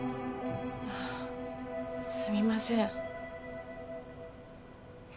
あすみません